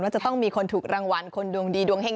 จะต้องมีคนถูกรางวัลคนดวงดีดวงเฮ่ง